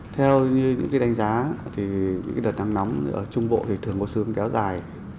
theo những cái đánh giá thì những cái đợt nắng nóng ở trung bộ thì thường có xu hướng kéo dài